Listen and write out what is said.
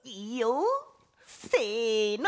せの。